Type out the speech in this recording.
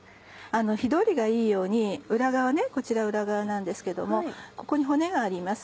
火通りがいいようにこちら裏側なんですけどもここに骨があります。